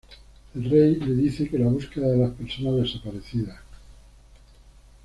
El rey le dice que la búsqueda de las personas desaparecidas.